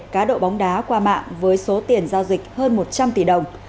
cá độ bóng đá qua mạng với số tiền giao dịch hơn một trăm linh tỷ đồng